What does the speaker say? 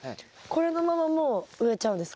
これのままもう植えちゃうんですか？